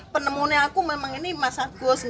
penemunya aku memang ini mas agus